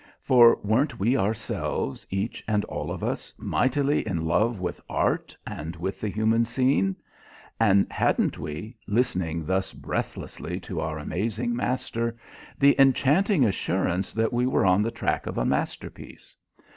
For weren't we ourselves, each and all of us, mightily in love with art and with the human scene? And hadn't we, listening thus breathlessly to our amazing master, the enchanting assurance that we were on the track of a masterpiece?